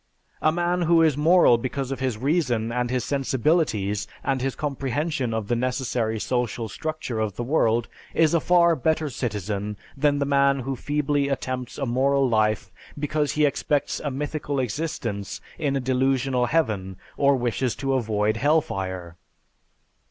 A man who is moral because of his reason and his sensibilities, and his comprehension of the necessary social structure of the world is a far better citizen than the man who feebly attempts a moral life because he expects a mythical existence in a delusional heaven or wishes to avoid hell fire.